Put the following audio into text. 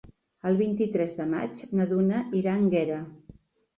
El vint-i-tres de maig na Duna irà a Énguera.